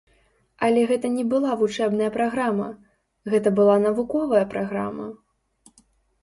Але гэта не была вучэбная праграма, гэта была навуковая праграма.